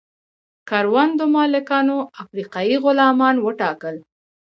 کروندو مالکانو افریقایي غلامان وټاکل.